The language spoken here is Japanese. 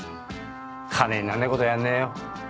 金になんねぇことはやんねぇよ